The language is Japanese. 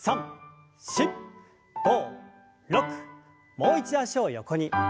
もう一度脚を横に。